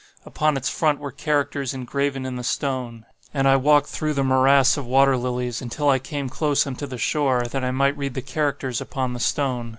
Upon its front were characters engraven in the stone; and I walked through the morass of water lilies, until I came close unto the shore, that I might read the characters upon the stone.